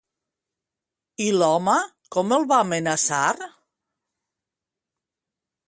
I l'home com el va amenaçar?